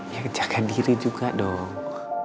ya pecahkan diri juga dong